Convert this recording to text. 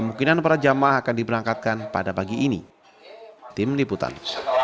cahir berwawod rechtier bunda dia bang